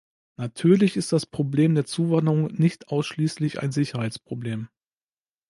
Natürlich ist das Problem der Zuwanderung nicht ausschließlich ein Sicherheitsproblem.